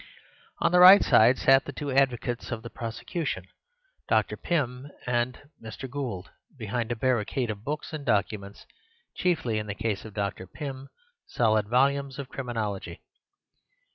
On the right side sat the two advocates of the prosecution, Dr. Pym and Mr. Gould; behind a barricade of books and documents, chiefly (in the case of Dr. Pym) solid volumes of criminology.